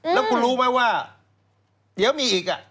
แล้วคุณรู้ไหมว่าเดี๋ยวมีอีก